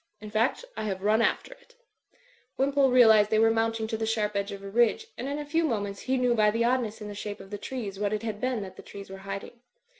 In fact, I have run after it" Wimpole realised they were mounting to' the sharp edge of a ridge, and in a few moments he knew by the oddness in the shape of the trees what it bad been that the trees were hiding.